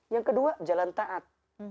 yang kedua jalan taat